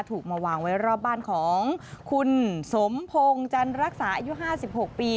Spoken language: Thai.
ถูกมาวางไว้รอบบ้านของคุณสมพงศ์จันรักษาอายุ๕๖ปี